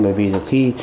bởi vì là khi